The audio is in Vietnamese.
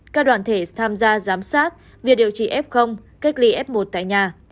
các đoàn thể tham gia giám sát việc điều trị f cách ly f một tại nhà